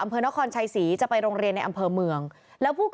อำเภอนครชัยศรีจะไปโรงเรียนในอำเภอเมืองแล้วผู้